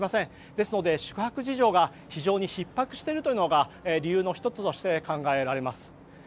ですので宿泊事情が非常にひっ迫しているというのが理由の１つとして考えられます。